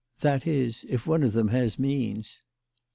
" That is, if one of them has means."